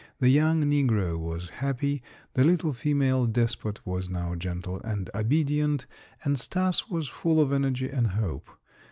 The young negro was happy, the little female despot was now gentle and obedient, and Stas was full of energy and hope.